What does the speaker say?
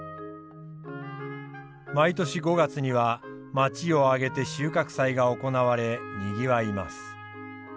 毎年５月には町を挙げて収穫祭が行われにぎわいます。